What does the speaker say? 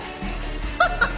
ハハハ！